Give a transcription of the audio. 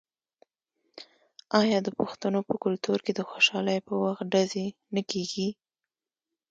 آیا د پښتنو په کلتور کې د خوشحالۍ په وخت ډزې نه کیږي؟